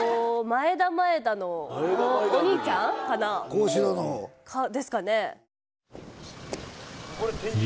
旺志郎の方？ですかね。